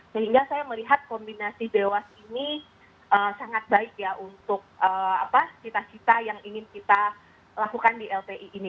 sehingga saya melihat kombinasi dewas ini sangat baik ya untuk cita cita yang ingin kita lakukan di lpi ini